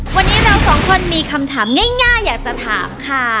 วันนี้เราสองคนมีคำถามง่ายอยากจะถามค่ะ